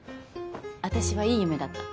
私はいい夢だった。